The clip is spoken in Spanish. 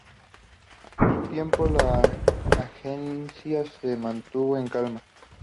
Por un tiempo la agencia se mantuvo en calma.